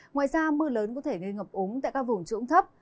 ngoài ra mưa lớn có thể gây ngập úng tại các vùng trũng thấp